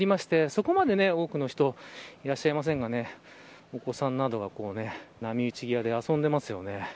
そこまで多くの人はいらっしゃいませんがお子さんなどが波打ち際で遊んでいますよね。